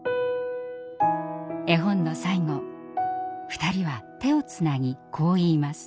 絵本の最後２人は手をつなぎこう言います。